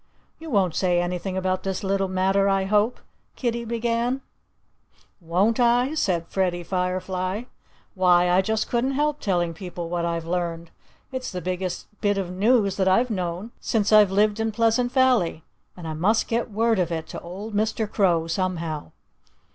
"You won't say anything about this little matter, I hope," Kiddie began. "Won't I?" said Freddie Firefly. "Why, I just couldn't help telling people what I've learned! It's the biggest bit of news that I've known since I've lived in Pleasant Valley. And I must get word of it to old Mr. Crow somehow."